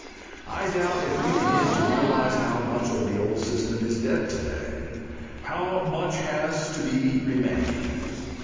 I doubt if we begin to realize how much of the old system is dead to day, how much has to be remade.